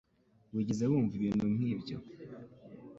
Wigeze wumva ibintu nk'ibyo